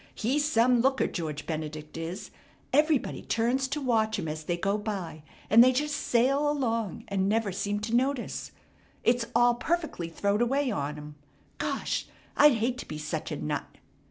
He's some looker, George Benedict is! Everybody turns to watch 'em as they go by, and they just sail along and never seem to notice. It's all perfectly throwed away on 'em. Gosh! I'd hate to be such a nut!"